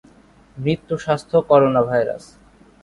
মৃত্যুস্বাস্থ্যকরোনাভাইরাস